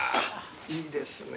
いいですね。